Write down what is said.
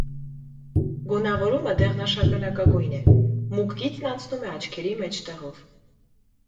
Գունավորումը դեղնաշագանակագույն է, մուգ գիծն անցնում է աչքերի մեջտեղով։